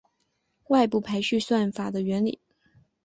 外部排序算法的原理